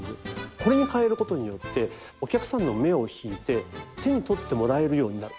これに変える事によってお客さんの目を引いて手に取ってもらえるようになる。